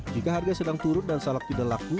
jika harga sedang turun dan salak tidak laku